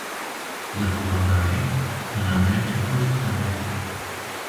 Li Holandayê penaberekî Kurd xeniqî.